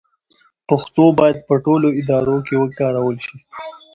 پښتو باید په ټولو ادارو کې وکارول شي.